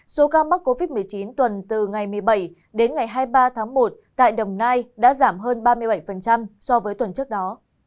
số ca mắc covid một mươi chín tuần từ ngày một mươi bảy đến ngày hai mươi ba tháng một tại đồng nai đã giảm hơn ba mươi bảy so với tuần trước đó